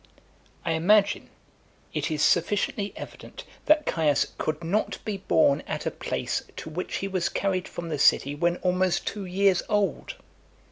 I imagine it is sufficiently evident that Caius could not be born at a place to which he was carried from The City when almost two years old.